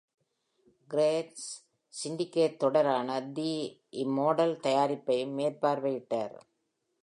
Grace syndicate தொடரான "The Immortal" தயாரிப்பையும் மேற்பார்வையிட்டார்.